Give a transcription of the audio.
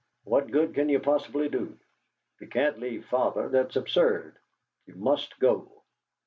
What good can you possibly do? You can't leave father; that's absurd! You must go!"